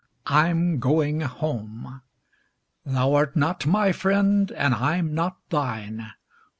I'm going home: Thou art not my friend, and I'm not thine.